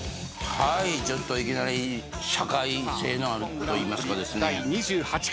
ちょっといきなり社会性のあるといいますかですね。